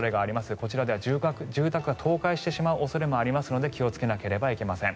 こちらでは住宅が倒壊してしまう恐れもありますので気をつけなければいけません。